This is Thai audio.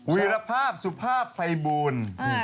วีรภาพสุภาพไภบุญ